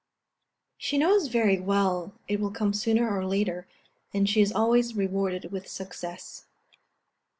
She knows very well it will come sooner or later, and she is always rewarded with success.